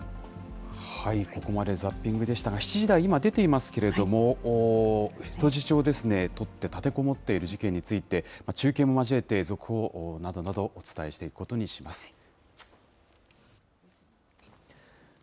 ここまでザッピングでしたが、７時台に、今出ていますけれども、人質を取って立てこもっている事件について、中継も交えて、続報などなど、お伝えしていくことにします。